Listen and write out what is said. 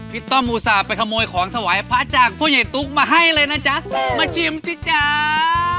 พี่ต้อมอุตส่าห์ไปขโมยของถวายพระอาจารย์พ่อเย็นตุ๊กมาให้เลยนะจ๊ะมาชิมสิจ๋า